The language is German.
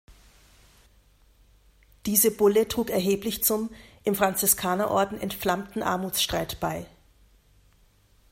Diese Bulle trug erheblich zum, im Franziskanerorden entflammten Armutsstreit bei.